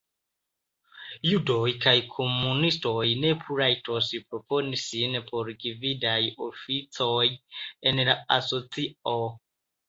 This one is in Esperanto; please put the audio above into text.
Judoj kaj komunistoj ne plu rajtos proponi sin por gvidaj oficoj en la asocio.